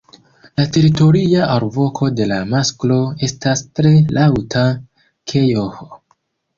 La teritoria alvoko de la masklo estas tre laŭta "kej-oh".